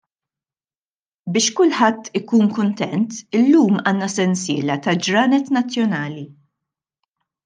Biex kulħadd ikun kuntent illum għandna sensiela ta' ġranet nazzjonali.